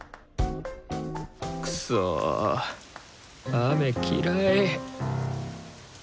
くそ雨嫌い。